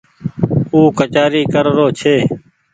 او ڪچآري ڪر رو ڇي۔